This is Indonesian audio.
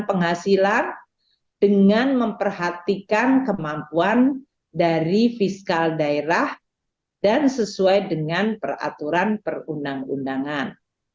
penghasilan dengan memperhatikan kemampuan dari fiskal daerah dan sesuai dengan peraturan perundang undangan